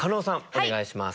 お願いします。